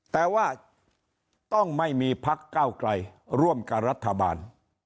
แต่ว่าต้องไม่มีพักเก้าไกลร่วมกับรัฐบาล